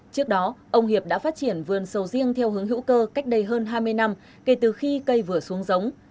trước đó ông hiệp đã phát triển vườn sầu riêng theo hướng hữu cơ cách đây hơn hai mươi năm kể từ khi cây vừa xuống giống